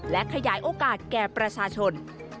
และขยายโอกาสแก่ประชาชน